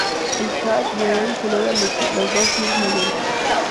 Els Prats de Rei celebra dos fiestas mayores.